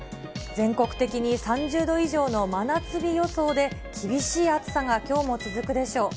全国的に３０度以上の真夏日予想で、厳しい暑さがきょうも続くでしょう。